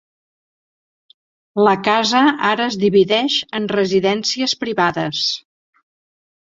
La casa ara es divideix en residències privades.